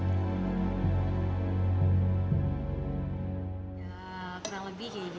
yang ini udah nggak boleh kembali